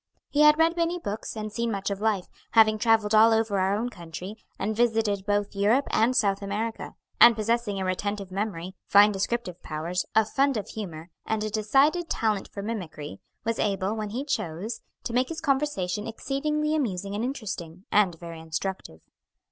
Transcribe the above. He had read many books and seen much of life, having travelled all over our own country, and visited both Europe and South America; and possessing a retentive memory, fine descriptive powers, a fund of humor, and a decided talent for mimicry, was able, when he chose, to make his conversation exceedingly amusing and interesting, and very instructive.